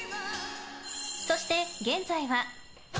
そして現在は。